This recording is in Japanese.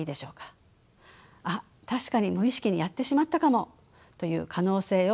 「あ確かに無意識にやってしまったかも」という可能性を考えることは大切です。